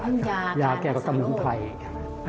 ยาเกลียดวันพลวงเทศอาจารย์พลวงไพร